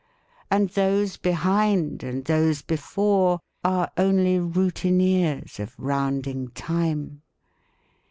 And those behind and those before are only routineers of rounding time.